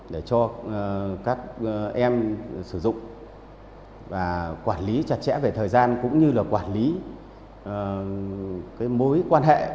để cho các em sử dụng và quản lý chặt chẽ về thời gian cũng như là quản lý mối quan hệ